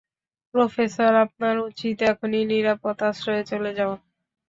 Professor, আপনার উচিৎ এখনই নিরাপদ আশ্রয়ে চলে যাওয়া।